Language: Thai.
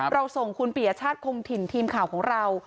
ส่งคุณปียชาติคงถิ่นทีมข่าวของเรา